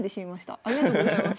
ありがとうございます。